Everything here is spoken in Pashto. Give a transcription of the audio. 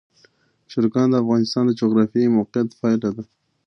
چرګان د افغانستان د جغرافیایي موقیعت پایله ده.